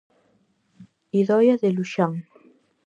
Idoia de Luxán.